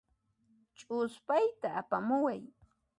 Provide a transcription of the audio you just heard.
Ch'uspayta apamuway.